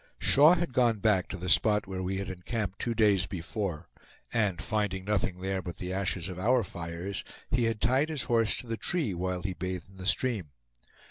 Shaw had gone back to the spot where we had encamped two days before, and finding nothing there but the ashes of our fires, he had tied his horse to the tree while he bathed in the stream.